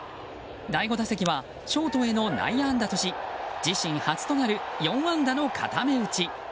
第５打席はショートへの内野安打とし自身初となる４安打の固め打ち。